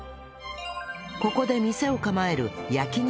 ここで店を構える焼肉